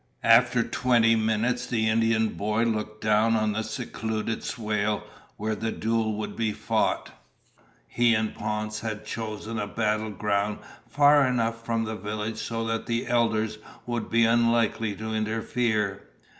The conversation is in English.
After twenty minutes the Indian boy looked down on the secluded swale where the duel would be fought. He and Ponce had chosen a battle ground far enough from the village so that the elders would be unlikely to interfere.